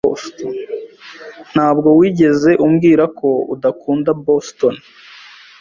Ntabwo wigeze umbwira ko udakunda Boston.